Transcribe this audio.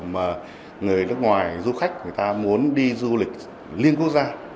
mà người nước ngoài du khách người ta muốn đi du lịch liên quốc gia